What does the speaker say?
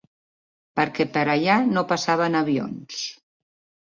Perquè per allà no passaven avions.